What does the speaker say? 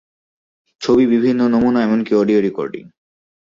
ছবি, বিভিন্ন নমুনা, এমনকি অডিও রেকর্ডিং।